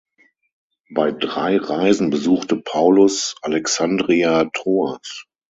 Bei drei Reisen besuchte Paulus Alexandria Troas.